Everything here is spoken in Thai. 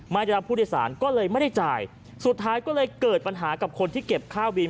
ไม่ได้รับผู้โดยสารก็เลยไม่ได้จ่ายสุดท้ายก็เลยเกิดปัญหากับคนที่เก็บค่าบิน